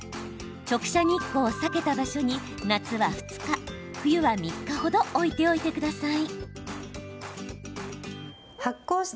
直射日光を避けた場所に夏は２日、冬は３日程置いておいてください。